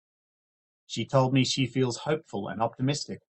She told me she feels hopeful and optimistic.